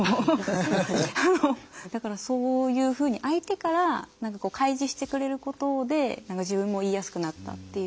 だからそういうふうに相手から何かこう開示してくれることで自分も言いやすくなったっていう。